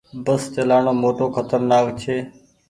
بس چلآڻو موٽو کترنآڪ ڇي۔